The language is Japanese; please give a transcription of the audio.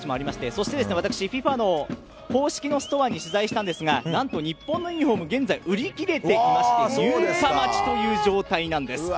そして私、ＦＩＦＡの公式のストアに取材したんですが何と日本のユニホーム現在売り切れていまして入荷待ちという状態なんです。